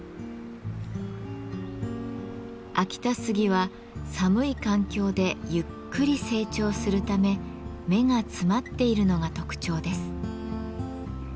秋田杉は寒い環境でゆっくり成長するため目が詰まっているのが特徴です。